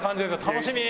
楽しみ！